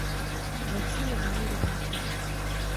Ve vsi je malý rybníček.